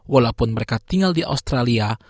walaupun mereka tinggal di australia